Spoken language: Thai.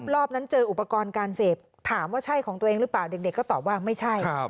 รอบนั้นเจออุปกรณ์การเสพถามว่าใช่ของตัวเองหรือเปล่าเด็กก็ตอบว่าไม่ใช่